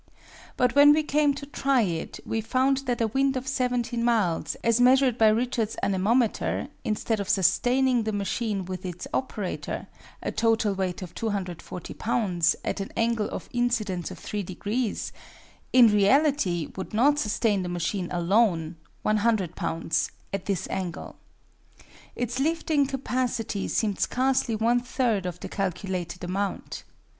But when we came to try it we found that a wind of 17 miles, as measured by Richards' anemometer, instead of sustaining the machine with its operator, a total weight of 240 lbs., at an angle of incidence of three degrees, in reality would not sustain the machine alone 100 lbs. at this angle. Its lifting capacity seemed scarcely one third of the calculated amount.